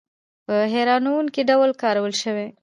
په هیرانوونکې ډول کارول شوي.